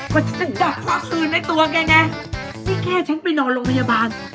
ก็ฉันดักผ้าคืนในตัวแกไงนี่แค่ฉันไปนอนโรงพยาบาล